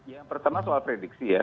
yang pertama soal prediksi ya